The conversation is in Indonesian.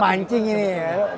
memancing ini ya